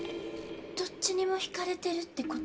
どっちにも惹かれてるって事？